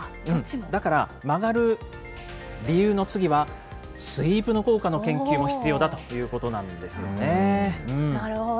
だから曲がる理由の次はスイープの効果の研究も必要だということなるほど。